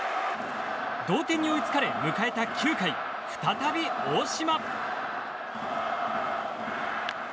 同点に追いつかれて迎えた９回再び大島。